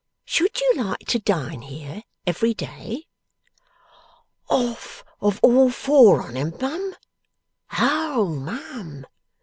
Should you like to dine here every day?' 'Off of all four on 'em, mum? O mum!